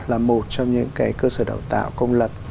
là một trong những cái cơ sở đào tạo công lập